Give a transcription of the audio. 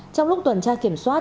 trong lúc tuần tra kiểm soát